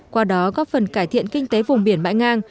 qua đó góp phần cải thiện kinh tế vùng biển bãi ngang